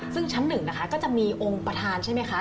ซึ่งชั้นหนึ่งนะคะก็จะมีองค์ประธานใช่ไหมคะ